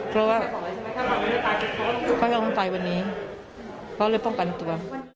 เพราะว่าเขายอมตายวันนี้เขาเลยป้องกันตัว